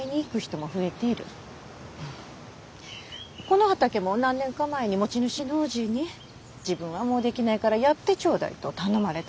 この畑も何年か前に持ち主のおじぃに自分はもうできないからやってちょうだいと頼まれたわけ。